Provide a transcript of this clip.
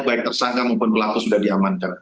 baik tersangka maupun pelaku sudah diamankan